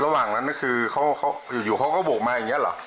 แล้วระหว่างนั้นคืออยู่เขาก็บวกมาอย่างเงี้ยเหรอ